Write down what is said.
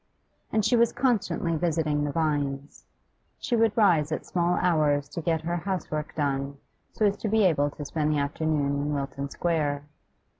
And she was constantly visiting the Vines; she would rise at small hours to get her house work done, so as to be able to spend the afternoon in Wilton Square.